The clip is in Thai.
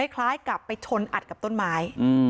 คล้ายกับไปชนอัดกับต้นไม้